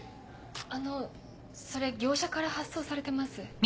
あのそれ業者から発送されてます。